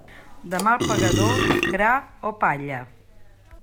Del mal pagador, gra o palla.